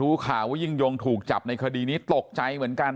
รู้ข่าวว่ายิ่งยงถูกจับในคดีนี้ตกใจเหมือนกัน